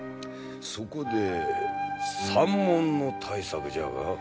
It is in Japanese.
そこで山門の対策じゃが。